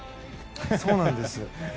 そうなんです。